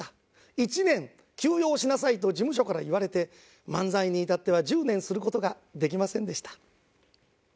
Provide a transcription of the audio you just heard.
１年休養しなさいと事務所から言われて漫才に至っては１０年する事ができませんでした。